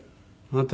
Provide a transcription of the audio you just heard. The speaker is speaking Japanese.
私？